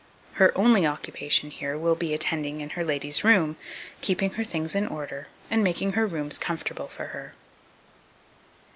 Her only occupation here will be attending in her lady's room, keeping her things in order, and making her rooms comfortable for her.